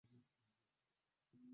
mwaka elfu moja mia nne tisini na tisa